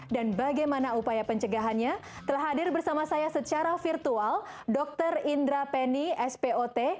dan bagaimana upaya pencegahannya telah hadir bersama saya secara virtual dr indra penny spot